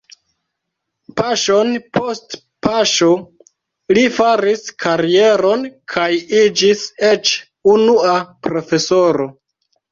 Paŝon post paŝo li faris karieron kaj iĝis eĉ unua profesoro.